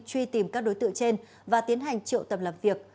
truy tìm các đối tượng trên và tiến hành triệu tầm làm việc